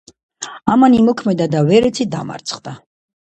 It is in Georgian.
ამან იმოქმედა და ვერეცი დამარცხდა.